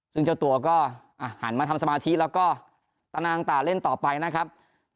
ซึ่งเจ้าตัวก็หันมาทำสมาธิแล้วก็ตะนางตาเล่นต่อไปนะครับ